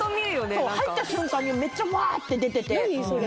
そう入った瞬間にめっちゃワーッて出てて・何それ？